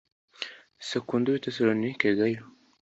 Sekundo b i Tesalonike Gayo